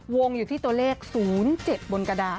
งอยู่ที่ตัวเลข๐๗บนกระดาษ